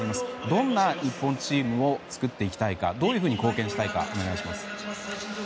どんな日本チームを作っていきたいかどういうふうに貢献したいかお願いします。